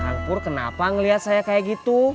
kang pur kenapa ngelihat saya kayak gitu